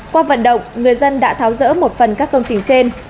qua vận động người dân đã tháo rỡ một phần các công trình trên